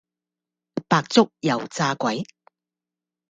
白粥油炸鬼